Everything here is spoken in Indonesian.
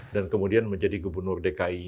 dan kemudian menjadi gubernur dki